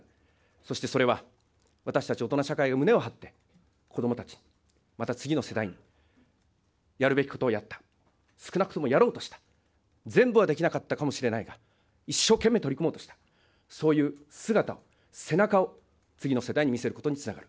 そしてそれは、私たち大人社会が胸を張って、子どもたち、また次の世代に、やるべきことをやった、少なくともやろうとした、全部はできなかったかもしれないが、一生懸命取り組もうとした、そういう姿を、背中を次の世代に見せることにつながる。